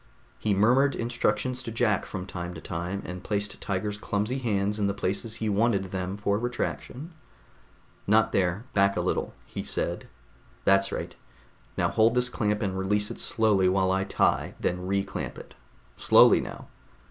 He murmured instructions to Jack from time to time, and placed Tiger's clumsy hands in the places he wanted them for retraction. "Not there, back a little," he said. "That's right. Now hold this clamp and release it slowly while I tie, then reclamp it. Slowly now